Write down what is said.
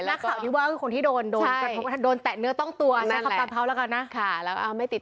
นักข่าวที่ว่าเป็นคนที่โดน